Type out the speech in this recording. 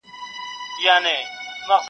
عشق مي ژبه را ګونګۍ کړه,